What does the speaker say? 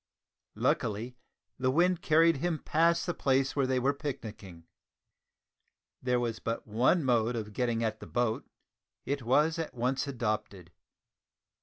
Luckily the wind carried him past the place where they were picnicking. There was but one mode of getting at the boat. It was at once adopted.